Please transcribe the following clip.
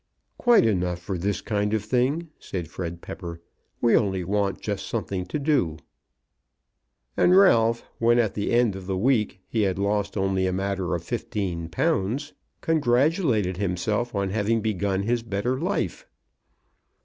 "Quite enough for this kind of thing," said Fred Pepper. "We only want just something to do." And Ralph, when at the end of the week he had lost only a matter of fifteen pounds, congratulated himself on having begun his better life.